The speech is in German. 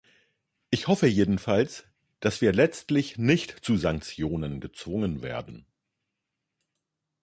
Ich hoffe jedenfalls, dass wir letztlich nicht zu Sanktionen gezwungen werden.